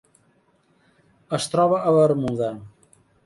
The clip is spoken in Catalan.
Es troba a Bermuda.